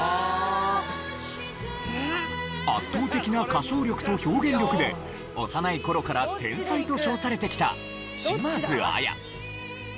圧倒的な歌唱力と表現力で幼い頃から天才と称されてきた島津亜矢。